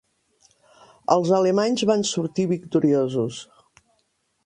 Els alemanys van sortir victoriosos.